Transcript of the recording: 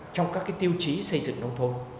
trong các tiêu chí xây dựng nông thôn